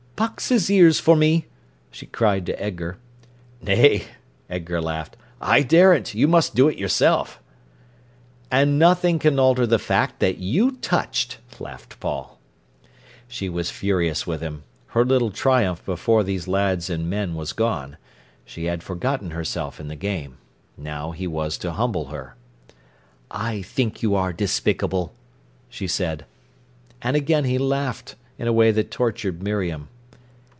"Box his ears for me!" she cried to Edgar. "Nay," Edgar laughed. "I daren't. You must do it yourself." "And nothing can alter the fact that you touched," laughed Paul. She was furious with him. Her little triumph before these lads and men was gone. She had forgotten herself in the game. Now he was to humble her. "I think you are despicable!" she said. And again he laughed, in a way that tortured Miriam.